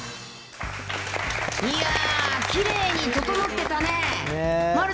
いやー、きれいに整ってたね。